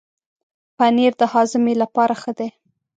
پنېر د هاضمې لپاره ښه دی.